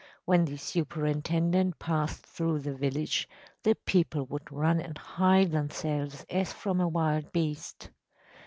When the superintendent passed through the village the people would run and hide themselves as from a wild beast.